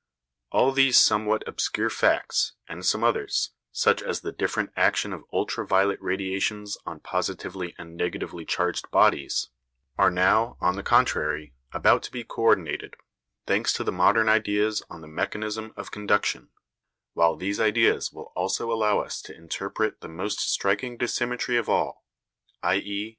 All these somewhat obscure facts, and some others such as the different action of ultra violet radiations on positively and negatively charged bodies are now, on the contrary, about to be co ordinated, thanks to the modern ideas on the mechanism of conduction; while these ideas will also allow us to interpret the most striking dissymmetry of all, i.e.